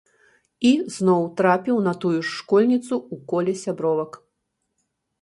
І зноў трапіў на тую ж школьніцу ў коле сябровак.